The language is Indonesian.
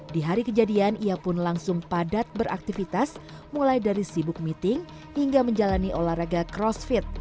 di hari kejadian ia pun langsung padat beraktivitas mulai dari sibuk meeting hingga menjalani olahraga crossfit